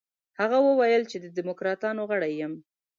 هغه وویل چې د دموکراتانو غړی یم.